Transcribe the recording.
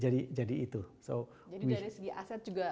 jadi dari segi aset juga akan berkembang